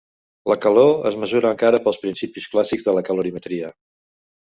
La calor es mesura encara pels principis clàssics de la calorimetria.